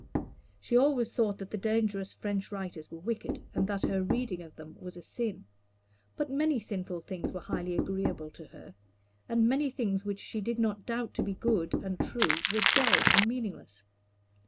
She always thought that the dangerous French writers were wicked and that her reading of them was a sin; but many sinful things were highly agreeable to her, and many things which she did not doubt to be good and true were dull and meaningless.